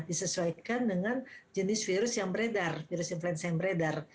disesuaikan dengan jenis virus yang beredar virus influenza yang beredar